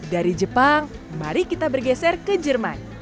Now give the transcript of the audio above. dari jepang mari kita bergeser ke jerman